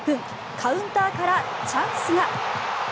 カウンターからチャンスが。